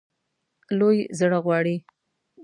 لوی زړه غواړي.